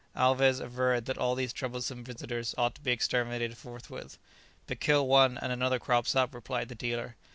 Alvez averred that all these troublesome visitors ought to be exterminated forthwith. "But kill one, and another crops up," replied the dealer.